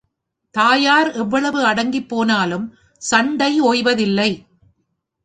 தாயார் எவ்வளவு அடங்கிப்போனலும் சண்டை ஓய்வதில்லை.